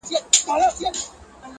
ما ته دي نه ګوري قلم قلم یې کړمه؛